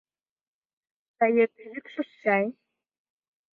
Чает йӱкшыш чай?